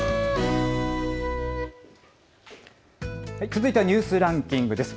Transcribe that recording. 続いてはニュースランキングです。